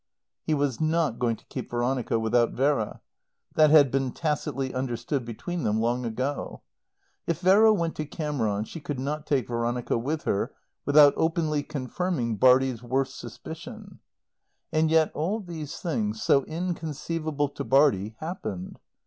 He was not going to keep Veronica without Vera. That had been tacitly understood between them long ago. If Vera went to Cameron she could not take Veronica with her without openly confirming Bartie's worst suspicion. And yet all these things, so inconceivable to Bartie, happened.